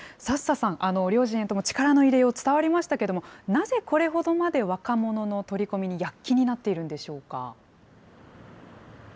佐々さん、両陣営とも力の入れよう、伝わりましたけれども、なぜこれほどまで若者の取り込みに躍起になっているんでしょうか。